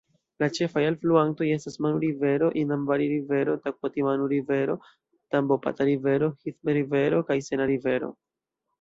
La ĉefaj alfluantoj estas Manu-Rivero, Inambari-Rivero, Takuatimanu-Rivero, Tambopata-Rivero, Heath-Rivero kaj Sena-Rivero.